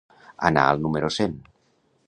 Anar al número cent.